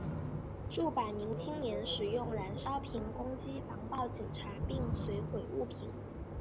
数百名青年使用燃烧瓶攻击防暴警察并损毁物品。